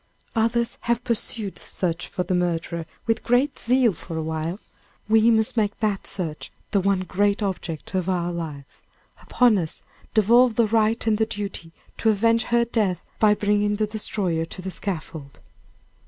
Others have pursued the search for the murderer with great zeal for a while; we must make that search the one great object of our lives. Upon us devolve the right and the duty to avenge her death by bringing her destroyer to the scaffold.